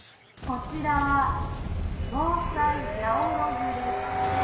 「こちらは防災ヤオロズです」